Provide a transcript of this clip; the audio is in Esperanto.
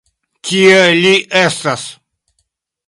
Tie li estas.